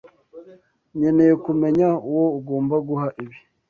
Nkeneye kumenya uwo ugomba guha ibi.